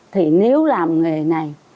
thì nếu làm nghề này